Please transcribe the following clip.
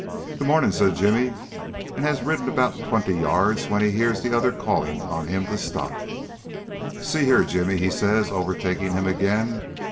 "Good mornin'," says Jimmy, and has ridden on about twenty yards when he hears the other calling on him to stop. "See here, Jimmy!" he says, overtaking him again.